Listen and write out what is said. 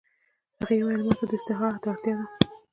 هغې وویل چې ما ته د استراحت اړتیا ده